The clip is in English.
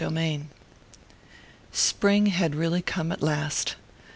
XIII Spring had really come at last.